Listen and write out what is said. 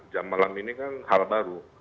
jam malam ini kan hal baru